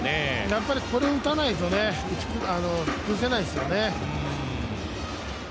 やっぱりこれ打たないと、崩せないですよね。